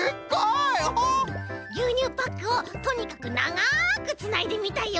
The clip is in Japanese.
ぎゅうにゅうパックをとにかくながくつないでみたよ。